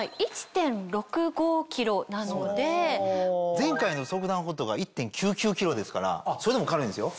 前回の速暖Ｈｏｔが１．９９ｋｇですからそれでも軽いんですよ。